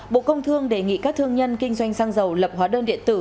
bộ công thương đề nghị các thương nhân kinh doanh xăng dầu lập hóa đơn điện tử